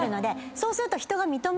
そうすると。